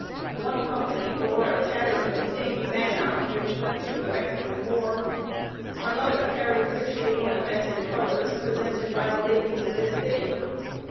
One company bore a tattered and stained banner, which went through the Mexican war. Another carried richly ornamented colors, presented by the ladies of this city.